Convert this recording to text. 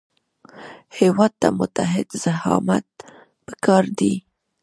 هېواد ته متعهد زعامت پکار دی